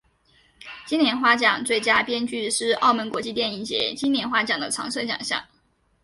金莲花奖最佳编剧是澳门国际电影节金莲花奖的常设奖项。